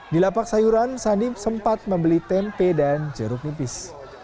di lapak sayuran sandi sempat membeli tempe dan jeruk nipis